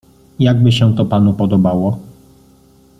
Jak by się to panu podobało?